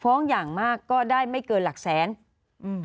อย่างมากก็ได้ไม่เกินหลักแสนอืม